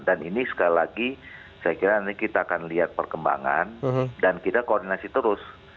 dan ini sekali lagi saya kira nanti kita akan lihat perkembangan dan kita koordinasi terus